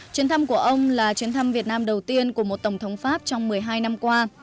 chuyến thăm của ông là chuyến thăm việt nam đầu tiên của một tổng thống pháp trong một mươi hai năm qua